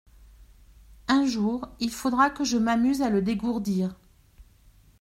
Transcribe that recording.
Un jour, il faudra que je m’amuse à le dégourdir.